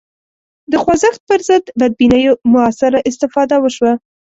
د خوځښت پر ضد بدبینیو موثره استفاده وشوه